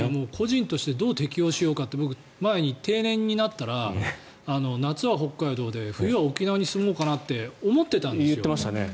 個人としてどう適応しようかって前に定年になったら夏は北海道で冬は沖縄に住もうかなって思ってたんですよ。